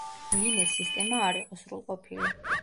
ლინეს სისტემა არ იყო სრულყოფილი.